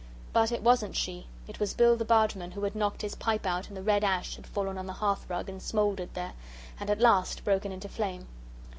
But it wasn't she. It was Bill the Bargeman, who had knocked his pipe out and the red ash had fallen on the hearth rug and smouldered there and at last broken into flame.